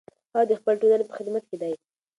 هغه د خپلې ټولنې په خدمت کې دی.